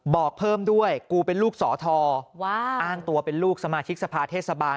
บอกเพิ่มด้วยกูเป็นลูกสอทรอ้างตัวเป็นลูกสมาชิกสภาเทศบาล